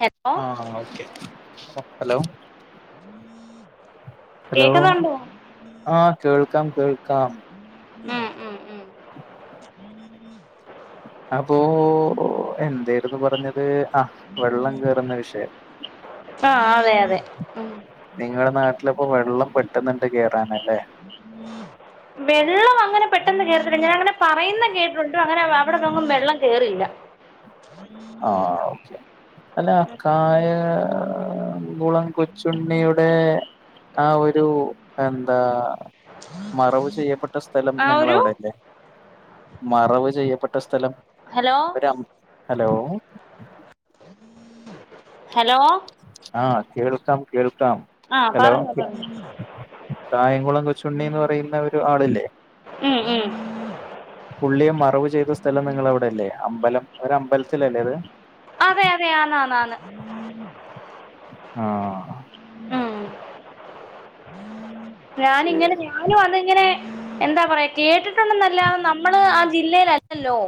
ഹെത്ത് ആഹ് okay hello hello കേക്കുന്നുണ്ടോ ആഹ് കേൾക്കാം കേൾക്കാം ഉമ് ഉമ് ഉമ് അപ്പോ എന്തായിരുന്നു പറഞ്ഞത് ആഹ് വെള്ളം കെറുന്ന വിഷയം ആഹ് അതെ അതെ ഉമ് നിങ്ങളുടെ നാട്ടിലിപ്പം വെള്ളം പെട്ടുന്നുണ്ട് കേയറാനല്ലേ വെള്ളം അങ്ങനെ പെട്ടെന്ന് കേറിതില്ല ഞാൻ അങ്ങനെ പറയുന്ന കേട്ടിട്ടുണ്ട് അങ്ങനെ അവിടെനൊന്നും വെള്ളം കേറില്ല ആഹ് ഓക്കെ അല്ലെ കായകുളം കൊച്ചുണ്ണിയുടെ ആഹ് ഒരു എന്താ മറവ് ചെയ്യപ്പെട്ടു സ്ഥലം ആ ഒരു നിങ്ങളവിടെല്ലേ മറവ് ചെയ്യപ്പെട്ട സ്ഥലം ഹലോ ഒരം ഹലോ ഹലോ ആഹ് കേൾക്കാം കേൾക്കാം ആഹ് ഹലോ പറഞ്ഞോ പറഞ്ഞോ കായംകുളം കൊച്ചുണ്ണി എന്ന് പറയുന്ന ഒരു ആളില്ലേ ഉമ് ഉമ് പുള്ളിയെ മറവ് ചെയ്ത സ്ഥലം നിങ്ങള അവിടെല്ലേ അമ്പലം ഒരു അമ്പലത്തിലല്ലേ അത് അതെ അതെ ആന്ന് ആന്ന് ആന്ന് ആഹ് ഉമ് ഓക്കെ ഞാനിങ്ങനെ ഞാനും അതിങ്ങനെ എന്താ പറയാ കേട്ടിട്ടുണ്ടെന്നല്ലത് നമ്മള് ആഹ് ജില്ലയിലല്ലല്ലോ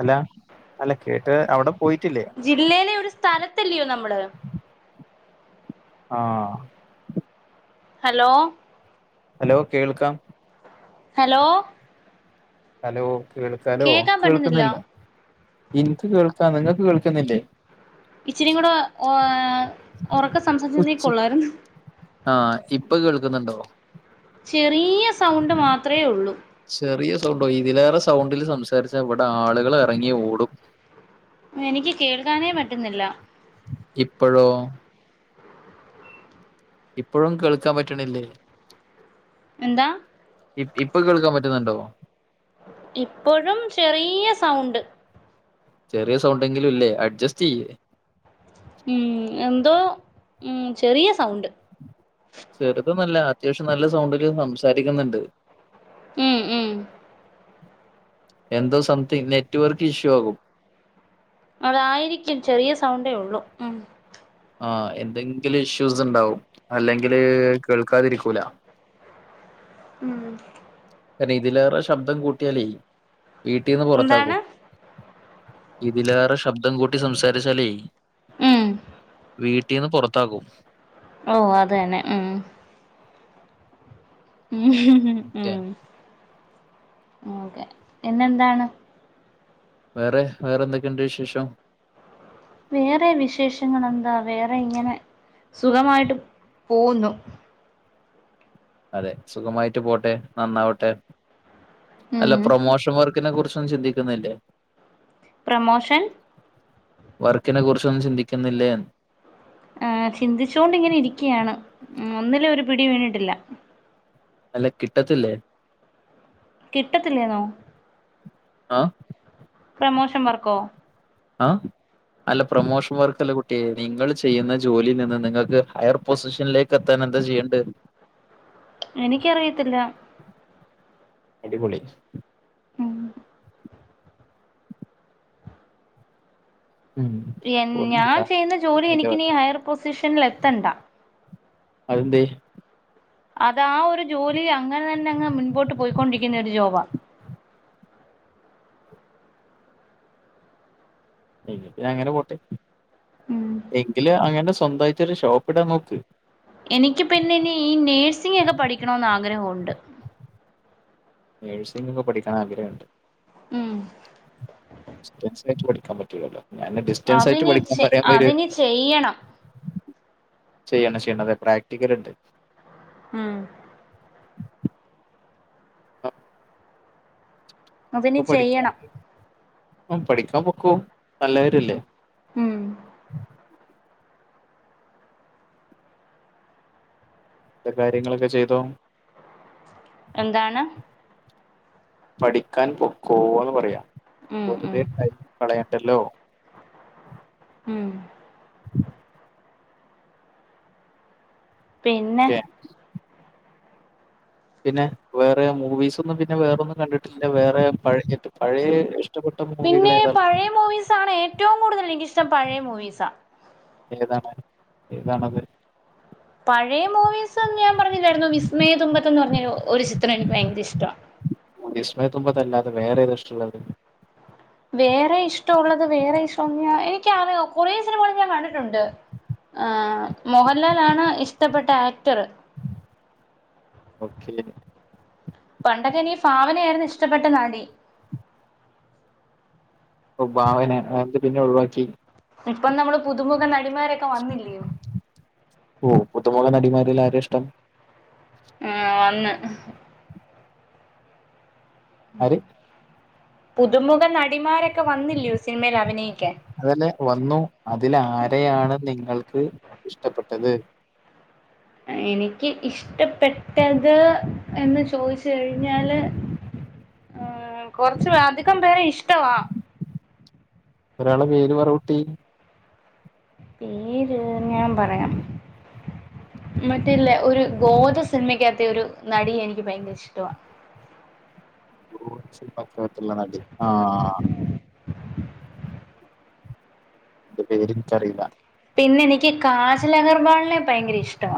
അല്ല അല്ല കേട്ട് അവിടെ പോയിട്ടില്ലേ ജില്ലയിലെ ഒരു സ്ഥലത്തല്ലയോ നമ്മള് ആഹ് ഹലോ ഹലോ കേൾക്കാം ഹലോ ഹലോ കേൾക്കലോ കേക്കാൻ പറ്റുന്നില്ല കേൾക്കുന്നില്ലേ എനിക്ക് കേൾക്കാ നിങ്ങക്ക് കേൾക്കുന്നില്ലേ ഇച്ചരി കൂടെ ഉറക്കെ സംസാരിച്ചുന്നേ കൊള്ളായിരുന്നു ആഹ് ഇപ്പൊ കേൾക്കുന്നുണ്ടോ ചെറിയ സൗണ്ട് മാത്ര ഉള്ളൂ ചെറിയ സൗണ്ടോ ഇതിലേറെ സൗണ്ടിൽ സംസാരിച്ച ഇവിടെ ആളുകൾ ഇറങ്ങി ഓടും എനിക്ക് കേൾക്കാനേ പറ്റുന്നില്ല ഇപ്പോഴോ ഇപ്പോഴും കേൾക്കാൻ പറ്റണില്ലേ എന്താ ഇ ഇപ്പൊ കേൾക്കാൻ പറ്റുന്നുണ്ടോ ഇപ്പോഴും ചെറിയ സൗണ്ട് ചെറിയ സൗണ്ടെങ്കിലും ഇല്ലേ അഡ്ജസ്റ്റ് ചെയ്യ് ഉം എന്തോ ചെറിയ സൗണ്ട് ചെറുത് ഒന്നല്ല അത്യാവശ്യം നല്ല സൗണ്ടില് സംസാരിക്കുന്നുണ്ട് ഉം ഉം എന്തോ സംതിങ് നെറ്റ്‌വർക്ക് ഇഷ്യൂ ആകും അതായിരിക്കും ചെറിയ സൗണ്ടേ ഉള്ളൂ ഉം ആഹ് എന്തെങ്കിലും ഇഷ്യൂസ് ഇണ്ടാവും അല്ലെങ്കില് കേൾക്കാതിരിക്കൂല ഉം കാരണം ഇതിലേറെ ശബ്ദം കൂട്ടിയാലേ വീട്ടിൽന്ന് എന്താണ് പുറത്താക്കും ഇതിലേറെ ശബ്ദം കൂട്ടി സംസാരിച്ചാലേ ഉം വീട്ടിന്ന് പുറത്താക്കും ഓ അത് തന്നെ ഉം ഉം ഓക്കെ ഉം ഓക്കെ പിന്നെന്താണ് വേറെ വേറെ എന്തൊക്കെയുണ്ട് വിശേഷം വേറെ വിശേഷങ്ങളെന്താ വേറെ ഇങ്ങനെ സുഖമായിട്ട് പോകുന്നു അതെ സുഖമായിട്ട് പോട്ടെ നന്നാവട്ടെ അല്ല ഉം പ്രൊമോഷൻ വർക്ക് ിനെ കുറിച്ചൊന്നും ചിന്തിക്കുന്നില്ലേ പ്രമോഷൻ വർക്കിനെ കുറിച്ചൊന്നും ചിന്തിക്കുന്നില്ലേ ആഹ് ചിന്തിച്ചോണ്ടിങ്ങനെ ഇരിക്കയാണ് ഒന്നിലും ഒരു പിടി വീണിട്ടില്ല അല്ല കിട്ടത്തില്ലേ കിട്ടത്തില്ലേന്നോ ആഹ് പ്രമോഷൻ വർക്കോ ആഹ് അല്ല പ്രൊമോഷൻ വർക്കല്ല കുട്ടിയെ നിങ്ങൾ ചെയ്യുന്ന ജോലിയി നിന്ന് നിങ്ങൾക്ക് ഹയർ പൊസിഷനിലേക്ക് എത്താൻ എന്താ ചെയ്യണ്ടെ എനിക്കറിയത്തില്ല അടിപൊളി ഉം ഉം എൻ ഒന്നുല്ല ഞാൻ ചെയ്യുന്ന ജോലി എനിക്കിനി ഹയർ പൊസിഷനിൽ എത്തണ്ട അതെന്തേ അതാ ഒരു ജോലി അങ്ങനെ തന്നെ അങ്ങ് മുൻപോട്ട് പോയിക്കൊണ്ടിരിക്കുന്ന ഒരു ജോബാ എങ്കി പിന്നെ അങ്ങനെ പോട്ടെ ഉം എങ്കില് അങ്ങനെ സ്വന്തയിട്ട് ഒരു ഷോപ്പ് ഇടാൻ നോക്ക് എനിക്ക് പിന്നെനി ഈ നേഴ്സിംഗൊക്കെ പഠിക്കണോന്ന് ആഗ്രഹവൊണ്ട് നഴ്സിങ്ങൊക്കെ പഠിക്കാൻ ആഗ്രഹണ്ട് ഉം ഡിസ്സ്റ്റൻസ് ആയിട്ട് പഠിക്കാൻ പറ്റൂലല്ലോ ഞാന് ഡിസ്റ്റൻസ് ആയിട്ട് അതിനി പഠിക്കാൻ ചെ പറയാൻ അതിനി വരായിര്ന്ന് ചെയ്യണം ചെയ്യണ്ട ചെയ്യണ്ട അതെ പ്രാക്ടിക്കലാട്ട് ഉം അതിനി ഇപ്പ പഠിക്കാ ചെയ്യണം പഠിക്കാൻ പൊക്കോ നല്ലകാര്യല്ലേ ഉം കാര്യങ്ങളൊക്കെ ചെയ്തോ എന്താണ് പഠിക്കാൻ പൊക്കോന്ന് പറയാ ഉം ഉം വെറുതെ കളയണ്ടല്ലോ ഉം പിന്നെ ഓക്കെ പിന്നെ വേറെ മൂവീസൊന്നും പിന്നെ വേറൊന്നും കണ്ടിട്ടില്ല വേറെ പഴയ് പഴേ പിന്നേ പഴയ മൂവീസാണ് ഏറ്റവും കൂടുതലെനിക്കിഷ്ടം പഴയ മൂവീസാ ഏതാണ് ഏതാണത് പഴയ മൂവീസ് ഞാമ്പറഞ്ഞില്ലാരുന്നൊ വിസ്മയതുമ്പത്തെന്ന് പറഞ്ഞ ഒരു ചിത്രം എനിക്ക് ഭയങ്കര ഇഷ്ടവ വിസ്മയത്തുമ്പതല്ലാതെ വേറേതാഷ്ടുള്ളത് വേറെ ഇഷ്ടവൊള്ളത് വേറെ ഇഷ്ടോന്നിയ എനിക്കറിയ കൊറേ സിനിമകൾ ഞാൻ കണ്ടിട്- ടൊണ്ട് ആഹ് മോഹൻലാലാണ് ഇഷ്ടപ്പെട്ട ആക്ടർ ഓക്കെ പണ്ടൊക്കെനിക്ക് ഭാവനയാരുന്നു ഇഷ്ടപ്പെട്ട നടി ഓ ഭാവന അയെന്ത് പിന്നെ ഒഴിവാക്കി ഇപ്പം നമ്മള് പുതുമുഖ നടിമാരൊക്കെ വന്നില്ലിയോ ഓഹ് പുതുമുഖ നടിമാരിൽ ആരേഷ്ടം ആഹ് വന്ന് ആരെ പുതുമുഖ നടിമാരൊക്കെ വന്നില്യോ സിനിമേലഭിനയിക്കാൻ അതല്ലെ വന്നു അതിലാരെയാണ് നിങ്ങൾക്ക് ഇഷ്ടപ്പെട്ടത് എനിക്ക് ഇഷ്ടപ്പെട്ടത് എന്ന് ചോയിച്ച് കഴിഞ്ഞാല് ആഹ് കൊറച്ചു അധികം പേരെ ഇഷ്ടവാ ഒരാളെ പേര് പറ കുട്ടി പേര് ഞാമ്പറയാം മറ്റെല്ലെ ഒരു ഗോദ സിനിമയ്ക്കാത്തെ ഒരു നടിയെനിക്ക് ഭയങ്കര ഇഷ്ടവാ ഗോദ സിനിമയ്ക്കാത്തുള്ള നടി ആഹ് ന്റെ പേരെനിക്കറിയില്ല പിന്നെനിക്ക് കാജലഗർവാളിനെ ഭയങ്കര ഇഷ്ടവ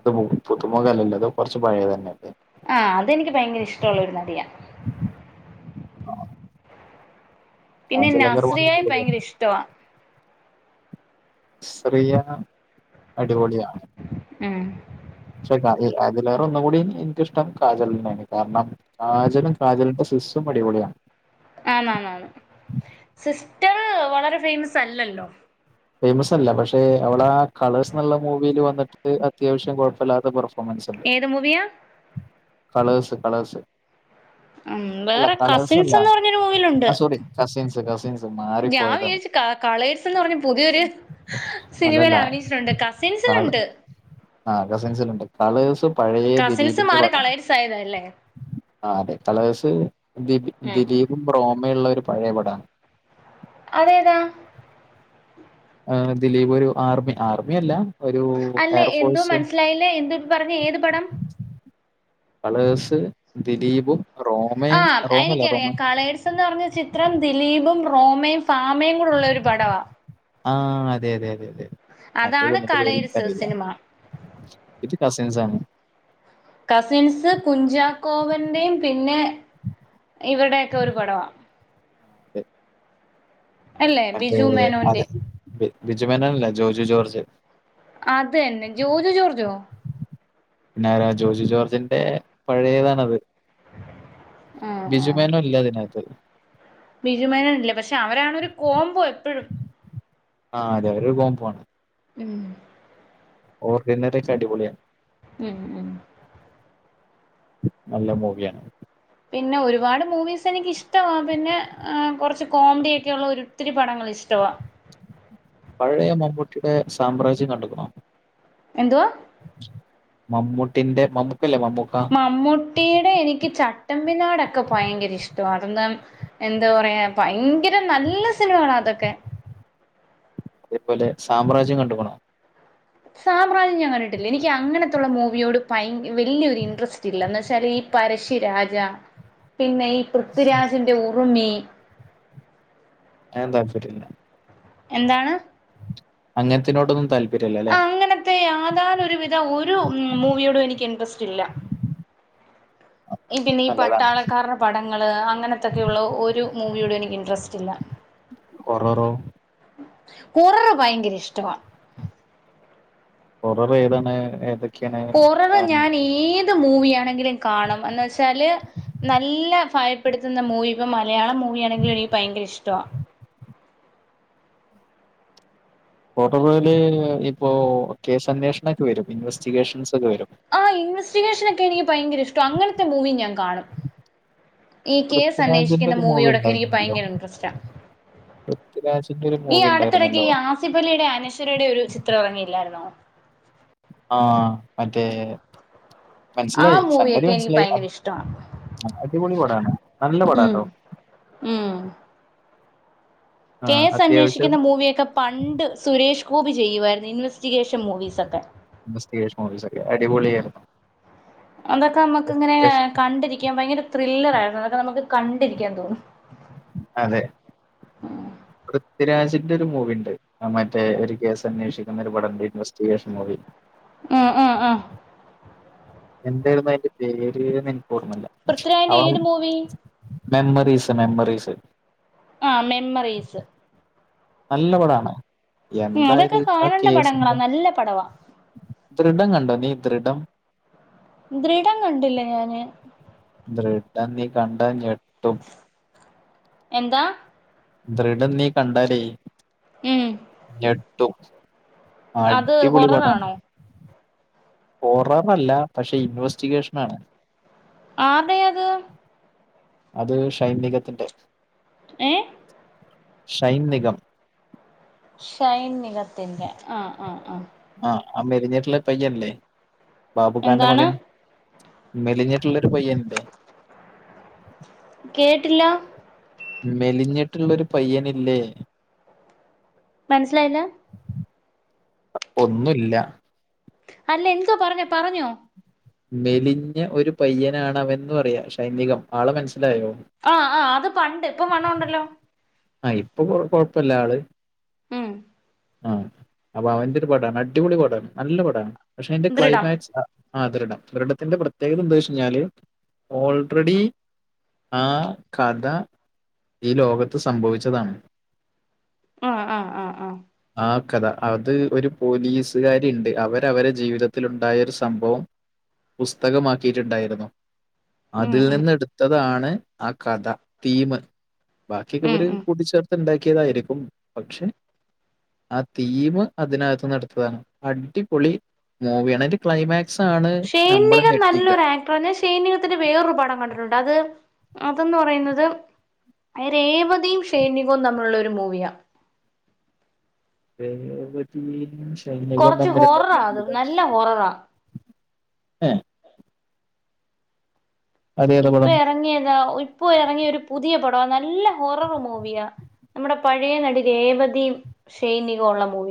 അത് പുതുമുഖല്ലല്ലോ ത് കൊറച്ച് പഴേതന്നെയല്ലേ ആഹ് അതെനിക്ക് ഭയങ്കര ഇഷ്ടവൊള്ളൊരു നടിയ ആഹ് പിന്നെ കാജൽ അഗർവാൾ നസ്രിയായെ അടിപൊളിയാണ്. ഭയങ്കരിഷ്ടവ സ്രിയ അടിപൊളിയാണ് ഉം പക്ഷെ ക അതിലേറെ ഒന്നുകൂടിം എനിക്കിഷ്ടം കാജലിനെയാണ് കാരണം കാജലും കാജലിന്റെ സിസ്റ്ററും അടിപൊളിയാണ് ആന്നാന്നാന്ന് സിസ്റ്ററ് വളരെ ഫേയിമസല്ലല്ലോ ഫേയ്മസല്ല പക്ഷെ അവളാ കളേഴ്സ്ന്ന്ള്ള മൂവില് വന്നിട്ട് അത്യാവശ്യം കൊഴപ്പല്ലാതെ പെർഫോമൻസ് ഏത് മൂവിയാ കളേസ് കളേസ് ഉം വേറെ അല്ല കസിൻസെന്ന് പറഞ്ഞൊരു മൂവിലുണ്ട് ആ സോറി കസിൻസ് കസിൻസ് മാറിപ്പോയതാണ് ക കളേഴ്സെന്ന് പറഞ്ഞ് പുതിയൊരു ഹ് സിനിമയില് അഭിനയിച്ചിട്ടുണ്ട് കസിൻസിലുണ്ട് ആഹ് കസിൻസിലുണ്ട് കളേസ് പഴേ കസിൻസ് ദിലീപിന്റെ മാറി പടമാ കളേഴ്സ് ആയതല്ലേ ആഹ് അതെ കളേസ് ദി ഉം ദിലീപും റോമേള്ള ഒരു പഴേ പടാ അതേതാ ആഹ് ദിലീപൊരു ആർമി ആർമി അല്ല ഒരു അല്ല എന്തോ എയർഫോഴ്സ് മനസ്സിലായില്ലേ എന്തോ പറഞ്ഞ ഏത് പടം കളേസ് ദിലീപും റോമയും ആഹ് റോമല്ല റോമ എനിക്കറിയാം കളേഴ് ന്ന് പറഞ്ഞ ചിത്രം ദിലീപും റോമയും ഭാമയും കൂടൊള്ളൊരു പടവാ ആഹ് അതെയതെയതെ മറ്റേ അതാണ് പെണ്ണിന്റെ കളേഴ്സ് പേരെനിക്കറിയില്ല സിനിമ ഇത് കസിൻസാണ് കസിൻസ് കുഞ്ചാക്കോവൻ്റിം പിന്നെ ഇവര്ടൊക്കെ ഒരു പടവാ അതെ, അല്ലേ മറ്റേ ബിജു മേനോന്റെ അതെ ബിജുമേനോനല്ല ജോർജു ജോർജ് അതന്നെ ജോർജു ജോർജോ പിന്നാര ജോർജു ജോർജിന്റെ പഴയതാണത് ആഹ് ബിജു മെനു ഇല്യ അതിനകത്ത് ബിജുമേനോൻല്ല പക്ഷെ അവരാണ് ഒരു കോംബോ എപ്പഴും ആഹ് അതെ ഒരു കോംബാണ് ഉമ് ഓർഡിനറി ഒക്കെ അടിപൊളിയാ ഉമ് ഉമ് നല്ല മൂവിയാണ് പിന്നെ ഒരുപാട് മൂവീസ് എനിക്കിഷ്ടവാ പിന്നെ കൊർച്ച് കോമഡിയൊക്കെള്ള ഒത്തിരി പടങ്ങള് ഇഷ്ടവാ പഴയ മമ്മൂട്ടിടെ സാമ്രാജ്യം കണ്ട്ക്ക്ണോ എന്തുവാ മമ്മൂട്ടിന്റെ മമ്മൂക്കല്ലേ മമ്മൂക്കാ മമ്മൂട്ടീടെ എനിക്ക് ചട്ടമ്പിനാടൊക്കെ ഭയങ്കര ഇഷ്ടവാ എന്താ പറയാ ഭയങ്കര നല്ല സിനിമകളാ അതൊക്കെ അതേപോലെ സാമ്രാജ്യം കണ്ട്ക്ണോ സാമ്രാജ്യം ഞാൻ കണ്ടിട്ടില്ല എനിക്ക് അങ്ങനത്തെയുള്ള മൂവിയോട് ഭയങ്ക വല്യരു ഇൻട്രസ്റ്റ് ല്ല എന്ന് വെച്ചാല് ഈ പരശ്ശിരാജ പിന്നെ ഈ പൃഥ്വിരാജിന്റെ ഉറുമി ഐന് താൽപര്യല്ല എന്താണ് അങ്ങൻത്തിനോടൊന്നും താല്പര്യല്ല ലെ ത്തെ യാതാരണ ഒരുവിധ ഒരു മൂവിയോടും എനിക്ക് ഇൻട്രസ്റ്റ് ഇല്ല പിന്നെ ഈ നല്ലതാണ് പട്ടാളക്കാര്ടെ പടങ്ങള് അങ്ങനത്തൊക്കെയുള്ള ഒരു മൂവിയോടും എനിക്ക് ഇൻട്രസ്റ്റില്ല ഒറെറോ കൊററ് ഭയങ്കര ഇഷ്ടവാ കൊററ് ഏതാണ് ഏതൊക്കെ കൊററ് ഞാനീ ഏത് മൂവി ആണെങ്കിലും കാണും എന്ന് വെച്ചാല് നല്ല ഭയപ്പെടു ത്തുന്ന മൂവി ഇപ്പം മലയാളം മൂവിയണെങ്കിലും എനിക്ക് ഭയങ്കര ഇഷ്ടവാ ഹൊററ്ല് ഇപ്പോ കേസന്വേഷണൊക്കെ വരും ഇൻവെസ്റ്റി ഗേഷൻസൊക്കെ വരും ആഹ് ഇൻവെസ്റ്റിഗേഷനൊക്കെ എനിക്ക് ഭയങ്കര ഇഷ്ട അങ്ങനത്തെ മൂവി ഞാൻ കാണും ഈ പൃഥ്വിരാജിന്റെ കേസന്വേഷിക്കുന്ന ഒരു മൂവി മൂവിയോടൊക്കെ എനിക്ക് ഭയങ്കര ഇൻട്രസ്റ്റാ പൃഥ്വിരാജ്ന്റെ ഒരു ഈ മൂവിണ്ടായിരുന്നല്ലോ അടുത്തിടയ്ക്ക് ഈ ആസിഫലിയുടെ അനശ്വരടെ ഒരു ചിത്ര എറങ്ങിയില്ലായിരുന്നോ ആഹ് മറ്റേ ആ മൻസിലായി സംഗതി മൂവിയൊക്കെ എനിക്ക് മൻസ്സിലായി ഭയങ്കര ഇഷ്ടമാണ് അടിപൊളി പടാണ് ഉമ് ഉമ് ആ, അത്യാവശ്യം കേസന്വേഷിക്കുന്ന മൂവിയൊക്കെ പണ്ട് സുരേഷ് ഗോപി ചെയ്യുവാരുന്നു ഇൻവെസ്റ്റിഗേഷൻ മൂവീസൊക്കെ ഇൻവെസ്റ്റിഗേഷൻ മൂവീസൊക്കെ അടിപൊളിയാരുന്നു അതക്കമക്കിങ്ങനെ കണ്ടിരിക്കാൻ ഭയങ്കര ത്രില്ലറാരുന്നു അത് നമുക്ക് കണ്ടിരിക്കാൻ തോന്നും അതെ പൃഥ്വിരാജിൻ്റൊരു മൂവിണ്ട് മറ്റേ ഒരു കേസന്വേഷിക്കുന്ന ഒരു പടണ്ട് ഇൻവെസ്റ്റിഗേഷൻ മൂവി ഉമ് ഉമ് ആഹ് എന്താരുന്നു അതിന്റെ പേര്ന്നെനിക്കോർമ്മല്ല പൃഥ്വിരാജിന്റെ അവ ഏത് മൂവി മെമ്മറീസ് മെമ്മറീസ് ആഹ് മെമ്മറീസ് നല്ല പടാ ഉം അതൊക്കെ എന്താല് ആ കാണേണ്ട പടങ്ങളാ കേസിന്റെ നല്ല പടവാ ദൃഢം കണ്ടോ നീ ദൃഢം ദൃഢം കണ്ടില്ല ഞാന് ദൃഢം നീ കണ്ടാ ഞെട്ടും എന്താ ദൃഢം നീ കണ്ടാലേ ഉം ഞെട്ടും അത് അടിപൊളി പടാണ് ഹൊററാണോ ബോറാന്നല്ല പക്ഷെ ഇൻവെസ്റ്റിഗേഷനാണ് ആർടെയത് അത് ഷൈൻനിഗത്തിന്റെ ഏഹ് ഷൈൻ നിഗം ഷൈൻ നിഗത്തിൻ്റെ ആഹ് ആഹ് ആഹ് ആഹ് ആ മെലഞ്ഞേട്ടില്ല പയ്യനൻല്ലേ ബാബുഖാന്റെ എന്താണ് മകൻ മെലിഞ്ഞട്ടിള്ളൊരു പയ്യനില്ലേ കേട്ടില്ല മെലിഞ്ഞട്ടുള്ളൊരു പയ്യനില്ലേ മനസ്സിലായില്ല ഒന്നുല്ല അല്ലെന്താ പറഞ്ഞെ പറഞ്ഞോ മെലിഞ്ഞ ഒരു പയ്യനാണവന്ന് പറയാ ഷൈൻ നിഗം ആളെ മനസ്സിലായോ ആഹ് ആഹ് അത് പണ്ട് ഇപ്പ വണ്ണോണ്ടല്ലോ ആഹ് ഇപ്പൊ കൊ കൊഴപ്പില്ല ആള് ഉം ആഹ് അപ്പൊ അവൻ്റൊരു പടാണ് അടിപൊളി പടാണ് നല്ല പടാണ് പക്ഷെ അതിന്റെ ദൃഢം ക്ലൈമാക്സ് അ ആഹ് ദൃഢം ദൃഢത്തിന്റെ പ്രത്യേകതന്താച്ചഴിഞ്ഞാല് ഓൾറെഡി ആഹ് കഥ ഈ ലോകത്ത് സംഭവിച്ചതാണ് ആഹ് ആഹ് ആഹ് ആഹ് ആഹ് കഥ അത് ഒരു പോലീസുകാരിയിണ്ട് അവരവരെ ജീവിതത്തിലുണ്ടായൊരു സംഭവം പുസ്തകമാക്കിയിട്ടുണ്ടായിരുന്നു ഉം ഉം അതിൽനിന്നെടുത്തതാണ് ആഹ് കഥ തീമ് ഉം ബാക്കിയക്കവര് ഉം കൂട്ടിച്ചേർത്തുണ്ടാക്കിയതായിരിക്കും പക്ഷെ ആഹ് തീമ് അതിനകത്തുന്നെടുത്തതാണ് അടിപൊളി മൂവിയാണ് അതിന്റെ ക്ലൈമാക്സ് സാണ് നമ്മള് ഞെട്ടിക്ക [unintelligible] ഷൈൻനികത്തിന്റെ വേറൊരു പടം കണ്ടിട്ടുണ്ട അത് അതന്ന് പറയുന്നത് രേവതീം ഷൈൻനികോം തമ്മിലുള്ളൊരു മൂവിയാ രേവതീം ഷൈൻനിഗോം കൊറച്ച് തമ്മിലുള്ള ഹൊററാ അത് നല്ല ഹൊററാ [inaudible] ഏഹ്. അതേതാ ഇപ്പൊ പടം? എറങ്ങിയതാ ഇപ്പൊ എറങ്ങിയരു പുതിയ പട നല്ല ഹൊറർ മൂവിയാ. നമ്മുടെ പഴയ നടി രേവതിം ഷൈനികോംള്ള മൂവി.